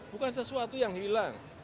bukan sesuatu yang hilang